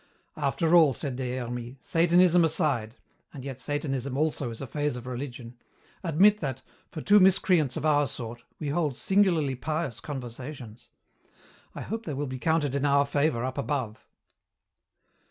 "After all," said Des Hermies, "Satanism aside and yet Satanism also is a phase of religion admit that, for two miscreants of our sort, we hold singularly pious conversations. I hope they will be counted in our favour up above."